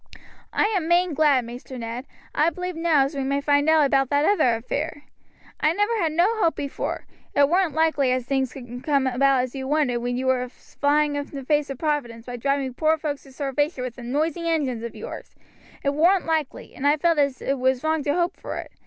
"I am main glad, Maister Ned. I b'lieve now as we may find out about that other affair. I never had no hope before, it warn't likely as things would come about as you wanted, when you was a flying in the face of providence by driving poor folks to starvation with them noisy engines of yours; it warn't likely, and I felt as it was wrong to hope for it.